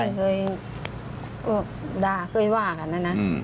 ไม่เคยด่าเคยว่ากันนะ